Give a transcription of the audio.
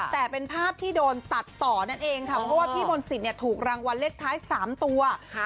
แต่เป็นภาพที่โดนตัดต่อนั่นเองค่ะเพราะว่าพี่มนต์สิทธิ์ถูกรางวัลเลขท้าย๓ตัว